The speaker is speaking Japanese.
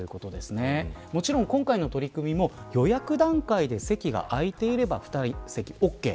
もちろん今回の取り組みも予約段階で席が空いていれば２席オーケー。